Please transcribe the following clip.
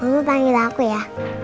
mama panggil aku ya